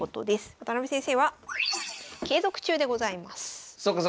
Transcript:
渡辺先生は継続中でございます。